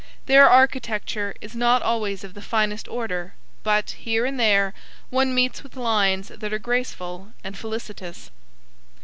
Their architecture is not always of the finest order but, here and there, one meets with lines that are graceful and felicitous.